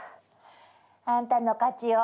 あんたの勝ちよ。